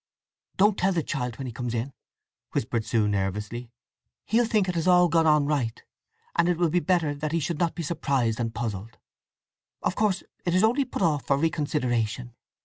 "Don't tell the child when he comes in," whispered Sue nervously. "He'll think it has all gone on right, and it will be better that he should not be surprised and puzzled. Of course it is only put off for reconsideration.